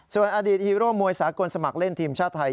ส่วนอดีตฮีโร่มวยสากลสมัครเล่นทีมชาติไทย